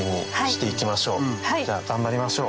じゃあ頑張りましょう。